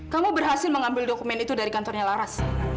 kamu berhasil mengambil dokumen itu dari kantornya laras